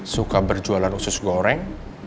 suka berjualan usus goreng